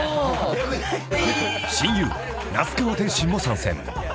［親友那須川天心も参戦］